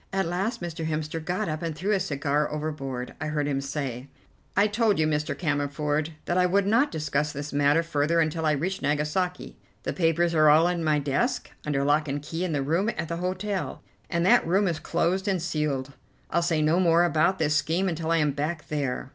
At last Mr. Hemster got up and threw his cigar overboard. I heard him say: "I told you, Mr. Cammerford, that I would not discuss this matter further until I reached Nagasaki. The papers are all in my desk under lock and key in the room at the hotel, and that room is closed and sealed. I'll say no more about this scheme until I am back there."